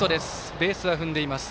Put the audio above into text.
ベースは踏んでいます。